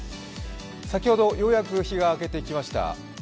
先ほどようやく日が明けてきました。